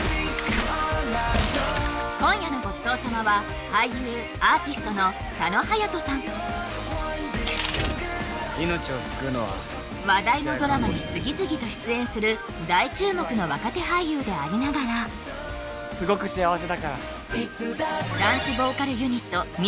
今夜のごちそう様は話題のドラマに次々と出演する大注目の若手俳優でありながらダンスボーカルユニットＭ！